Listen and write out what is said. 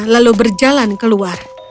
lalu berjalan keluar